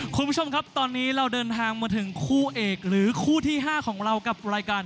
คุณผู้ชมครับตอนนี้เราเดินทางมาถึงคู่เอกหรือคู่ที่๕ของเรากับรายการ